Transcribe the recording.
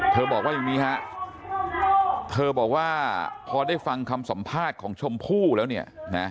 บอกว่าอย่างนี้ฮะเธอบอกว่าพอได้ฟังคำสัมภาษณ์ของชมพู่แล้วเนี่ยนะ